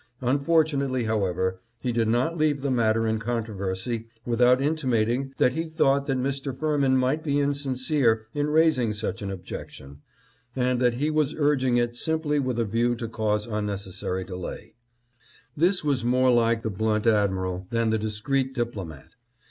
Unfortunately, however, he did not leave the matter in controversy without intimating that he thought that Mr. Firmin might be insincere in raising such an objection, and that he was urging it simply with a view to cause unnecessary delay. This was more like the blunt admiral than the discreet diplomat.